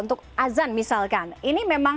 untuk azan misalkan ini memang